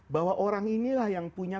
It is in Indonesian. bahwa orang inilah yang punya